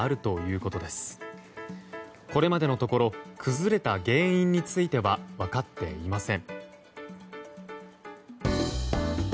これまでのところ崩れた原因については分かっていません。